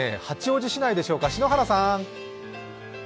八王子市内でしょうか、篠原さん。